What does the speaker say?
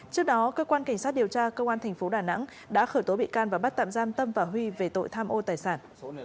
trước đó cơ quan cảnh sát điều tra công an thành phố đà nẵng đã khởi tố bị can và bắt tạm giam tâm và huy về tội tham ô tài sản